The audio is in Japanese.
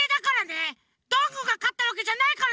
どんぐーがかったわけじゃないからね！